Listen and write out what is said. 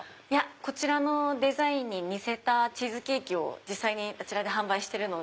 こちらのデザインに似せたチーズケーキを販売してるので。